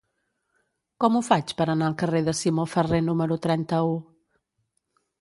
Com ho faig per anar al carrer de Simó Ferrer número trenta-u?